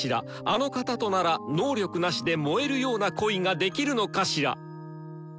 あの方となら能力なしで燃えるような恋ができるのかしら」。